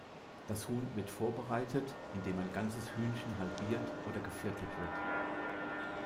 Das Huhn wird vorbereitet, indem ein ganzes Hühnchen halbiert oder geviertelt wird.